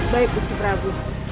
baik bu subrabu